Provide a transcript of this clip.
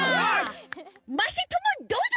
まさともどうぞ！